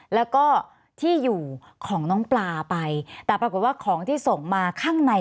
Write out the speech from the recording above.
แล้วก็ที่อยู่ของน้องปลาไปแต่ปรากฏว่าของที่ส่งมาข้างใน